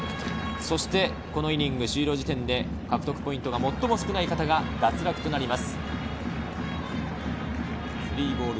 このイニング終了時で獲得ポイントが一番少ない方が脱落となります。